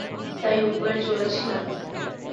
তাই উপরে চলেছিলেম।